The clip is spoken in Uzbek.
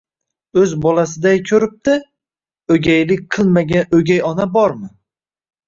O'z bolasiday ko'ribdi? O'gaylik qilmagan o'gay ona bormi?